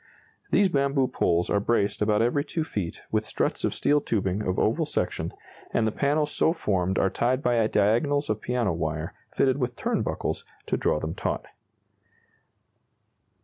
These bamboo poles are braced about every 2 feet with struts of steel tubing of oval section, and the panels so formed are tied by diagonals of piano wire fitted with turn buckles to draw them taut.